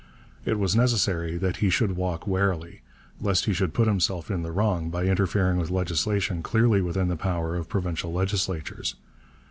It was necessary that he should walk warily, lest he should put himself in the wrong by interfering with legislation clearly within the power of provincial legislatures.